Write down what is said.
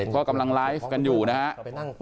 ก็กำลังไลฟ์กันอยู่นะครับ